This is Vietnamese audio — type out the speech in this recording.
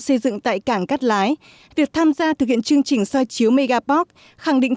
xây dựng tại cảng cát lái việc tham gia thực hiện chương trình soi chiếu megaport khẳng định